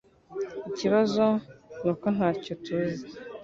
Ikibazo nuko ntacyo tuzi